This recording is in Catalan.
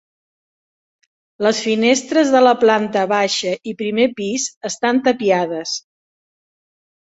Les finestres de la planta baixa i primer pis estan tapiades.